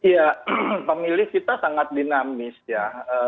ya pemilih kita sangat dinamis ya